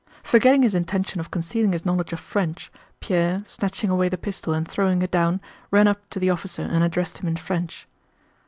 Forgetting his intention of concealing his knowledge of French, Pierre, snatching away the pistol and throwing it down, ran up to the officer and addressed him in French.